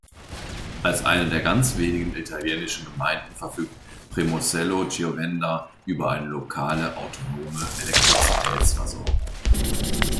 Als eine der ganz wenigen italienischen Gemeinden verfügt Premosello-Chiovenda über eine lokale, autonome Elektrizitätsversorgung.